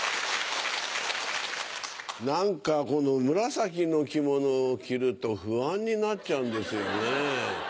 何かこの紫の着物を着ると不安になっちゃうんですよね。